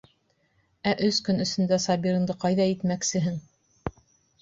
Ә өс көн эсендә Сабирыңды ҡайҙа итмәксеһең?